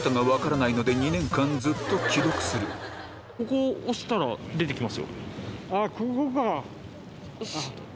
ここ押したら出て来ますよ。